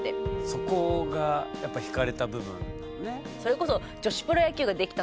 そこがやっぱひかれた部分ね。